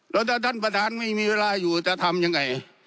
แล้วถ้าท่านประธานไม่มีเวลาอยู่จะทำยังไง